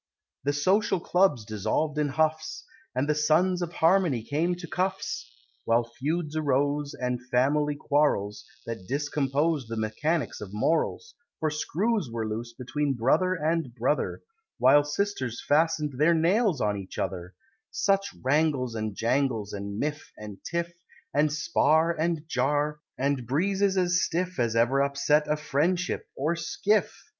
The Social Clubs dissolved in huffs, And the Sons of Harmony came to cuffs, While feuds arose and family quarrels, That discomposed the mechanics of morals, For screws were loose between brother and brother, While sisters fasten'd their nails on each other; Such wrangles, and jangles, and miff, and tiff, And spar, and jar and breezes as stiff As ever upset a friendship or skiff!